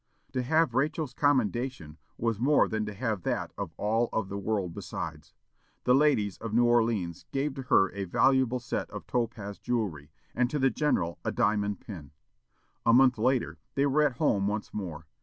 To have Rachel's commendation was more than to have that of all of the world besides. The ladies of New Orleans gave to her a valuable set of topaz jewelry, and to the general a diamond pin. A month later, they were at home once more.